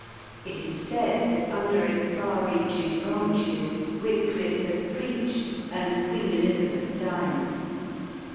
It is said that under its far reaching branches "Wycliffe has preached and Queen Elizabeth dined."